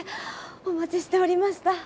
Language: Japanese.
お待ちしておりました。